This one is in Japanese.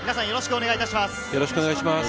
よろしくお願いします。